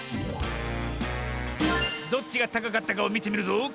どっちがたかかったかをみてみるぞ。